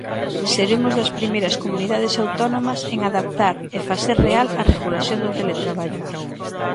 Seremos das primeiras comunidades autónomas en adaptar e facer real a regulación do teletraballo.